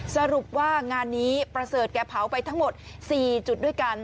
สรุปว่างานนี้ประเสริฐแกเผาไปทั้งหมด๔จุดด้วยกัน